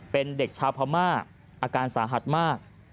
เป็นเด็กชาวพม่าอาการสาหัสมาก